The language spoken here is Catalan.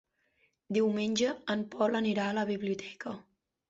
Diumenge en Pol anirà a la biblioteca.